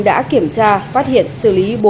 đã kiểm tra phát hiện xử lý